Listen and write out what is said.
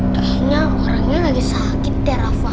kayaknya orangnya lagi sakit ya rafa